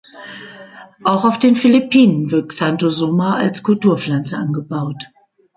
Auch auf den Philippinen wird "Xanthosoma" als Kulturpflanze angebaut.